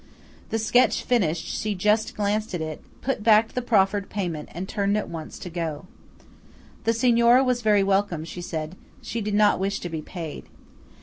The sketch finished, she just glanced at it, put back the proffered payment, and turned at once to go. The Signora was very welcome, she said; she did not wish to be paid.